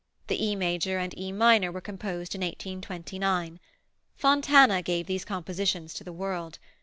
The E major and E minor were composed in 1829. Fontana gave these compositions to the world.